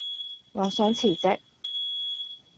我想辭職